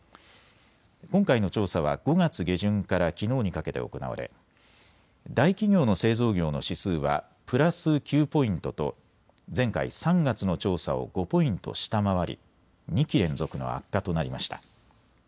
今回の調査は５月下旬からきのうにかけて行われ大企業の製造業の指数はプラス９ポイントと前回３月の調査を５ポイント下回り２期連続の悪化となりました。